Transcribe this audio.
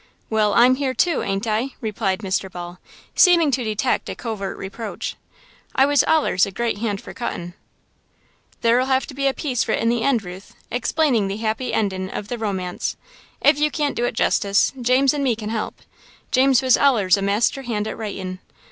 "Well, I'm here, too, ain't I?" replied Mr. Ball, seeming to detect a covert reproach. "I was allers a great hand fer cuttin'." "There'll have to be a piece writ in the end, Ruth, explainin' the happy endin' of the romance. If you can't do it justice, James and me can help James was allers a master hand at writin'.